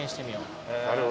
なるほど。